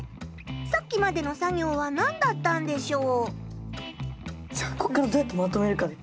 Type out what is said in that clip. さっきまでの作業は何だったんでしょう。